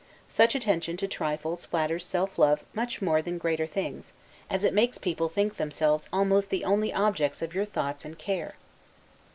Such attention to such trifles flatters self love much more than greater things, as it makes people think themselves almost the only objects of your thoughts and care.